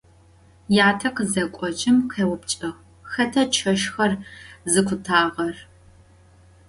Yate khızek'ojım khêupçç'ığ: «Xeta çeşşker zıkhutağer?»